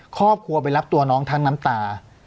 ครอบครัวไปรับตัวน้องทั้งน้ำตา